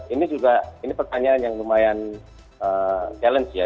ini juga ini pertanyaan yang lumayan challenge ya